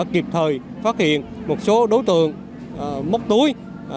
kịp thời phát hiện một số đối tượng móc túi